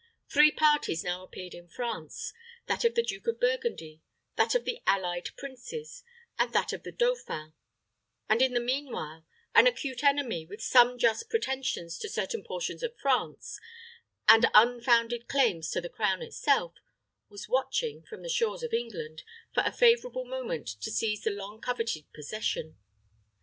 Three parties now appeared in France: that of the Duke of Burgundy; that of the allied princes; and that of the dauphin; and in the mean while, an acute enemy, with some just pretensions to certain portions of France, and unfounded claims to the crown itself, was watching from the shores of England for a favorable moment to seize upon the long coveted possession.